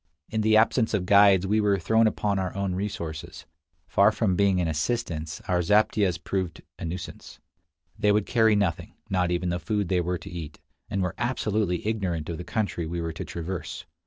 In the absence of guides we were thrown upon our own resources. Far from being an assistance, our zaptiehs proved a nuisance. They would carry nothing, not even the food they were to eat, and were absolutely ignorant of the country we were to traverse.